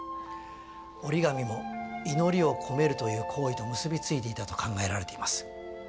折り紙も祈りを込めるという行為と結び付いていたと考えられています。